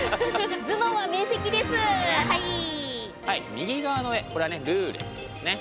右側の絵これはルーレットですね。